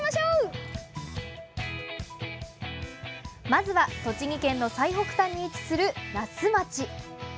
まずは、栃木県の最北端に位置する那須町。